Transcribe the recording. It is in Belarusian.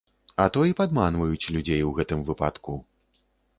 А то і падманваюць людзей ў гэтым выпадку.